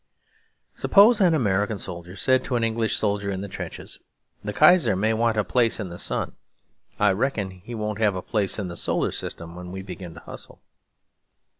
Suppose an American soldier said to an English soldier in the trenches, 'The Kaiser may want a place in the sun; I reckon he won't have a place in the solar system when we begin to hustle.'